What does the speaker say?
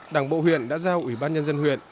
đảng bộ huyện đã giao ủy ban nhân dân huyện